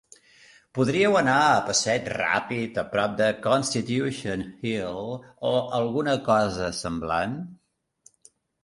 Podríeu anar a passeig ràpid a prop de Constitution Hill o alguna cosa semblant.